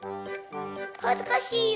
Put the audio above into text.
はずかしいよ！